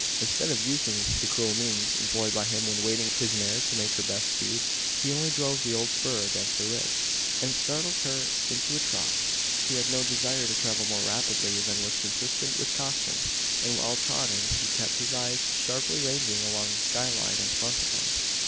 Instead of using the cruel means employed by him when wanting his mare to make her best speed, he only drove the old spur against her ribs, and started her into a trot. He had no desire to travel more rapidly than was consistent with caution; and while trotting he kept his eyes sharply ranging along the skyline in front of him.